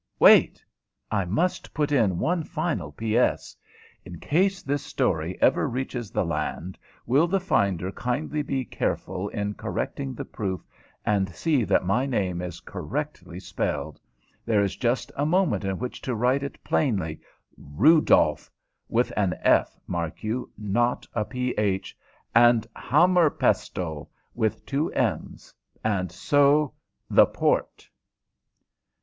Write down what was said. wait. I must put in one final P.S. In case this story ever reaches the land, will the finder kindly be careful in correcting the proof and see that my name is spelled correctly? There is just a moment in which to write it plainly RUDOLF with an F, mark you, not a PH, and HAMMERPESTLE with two M's. And so the port....